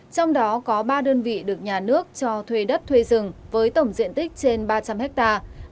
trong đó có ba đơn vị được nhà nước cho thuê đất thuê rừng với tổng diện tích trên ba trăm linh hectare